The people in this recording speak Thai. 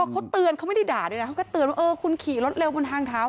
เขาเตือนเขาไม่ได้ด่าด้วยนะเขาก็เตือนว่าคุณขี่รถเร็วบนทางเท้า